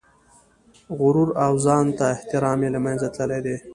غرور او ځان ته احترام یې له منځه تللي دي.